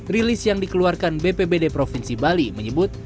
rilis yang dikeluarkan bpbd provinsi bali menyebut